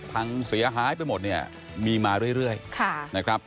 พังเสียหายไปหมดเนี่ยมีมาเรื่อยนะครับ